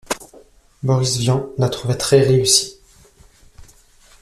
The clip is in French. Boris Vian la trouvait très réussie.